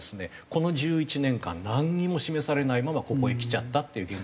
この１１年間なんにも示されないままここへきちゃったっていう現実があります。